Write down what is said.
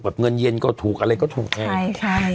แบบเงินเย็นก็ถูกอะไรก็ถูกเอง